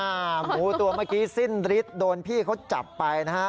หมูตัวเมื่อกี้สิ้นฤทธิ์โดนพี่เขาจับไปนะฮะ